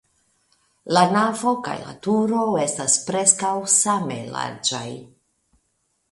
La navo kaj la turo estas preskaŭ same larĝaj.